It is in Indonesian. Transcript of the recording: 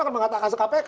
akan mengatakan se kpk